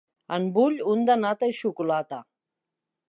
En vull un de nata i xocolata.